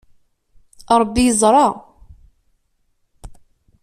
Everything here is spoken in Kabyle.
Ṛebbi yeẓṛa.